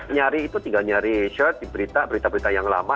nyari itu tinggal nyari shart di berita berita yang lama